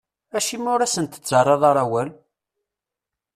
Acimi ur asent-tettarraḍ ara awal?